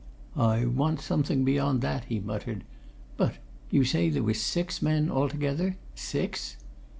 "I want something beyond that," he muttered. "But you say there were six men altogether six?"